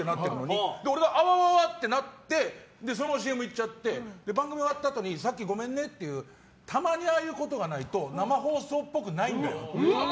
それで俺があわあわしちゃってそのままＣＭいっちゃって番組終わったあとにさっきごめんねって言うたまにああいうことがないと生放送っぽくないんだよって。